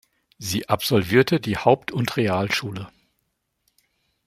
Sie absolvierte die Haupt- und Realschule.